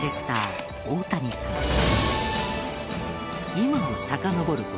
今をさかのぼる事